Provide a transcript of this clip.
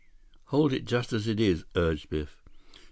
"Hold it just as it is," urged Biff.